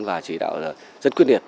và chỉ đạo rất quyết liệt